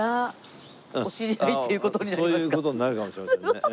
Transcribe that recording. そういう事になるかもしれませんね。